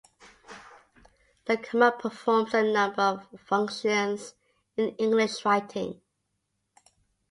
The comma performs a number of functions in English writing.